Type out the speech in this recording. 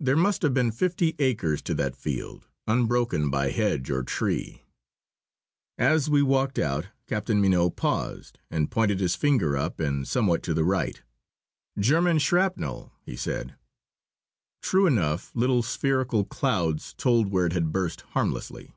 There must have been fifty acres to that field, unbroken by hedge or tree. As we walked out, Captain Mignot paused and pointed his finger up and somewhat to the right. "German shrapnel!" he said. True enough, little spherical clouds told where it had burst harmlessly.